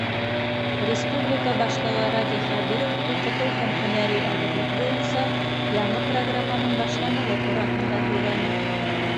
Республика башлығы Радий Хәбиров уҡытыу һәм һөнәри әҙерлек буйынса яңы программаның башланыуы тураһында һөйләне.